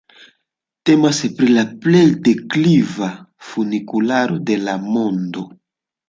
Temas pri la plej dekliva funikularo de la mondo.